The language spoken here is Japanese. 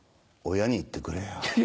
親に言ってくれよ。